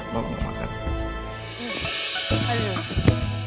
mama mau makan